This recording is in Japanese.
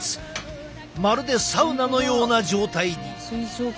まるでサウナのような状態に。